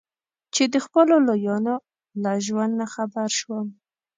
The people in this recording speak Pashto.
چې د خپلو لویانو له ژوند نه خبر شو.